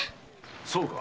そうか？